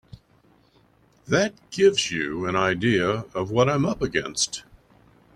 That gives you an idea of what I'm up against.